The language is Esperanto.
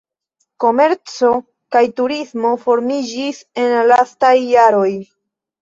Komerco kaj turismo formiĝis en la lastaj jaroj.